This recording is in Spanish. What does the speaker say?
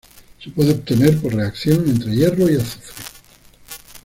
Se puede obtener por reacción entre hierro y azufre.